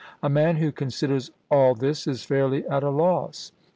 A man who considers all this is fairly at a loss.